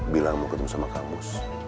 bilang mau ketemu sama kamus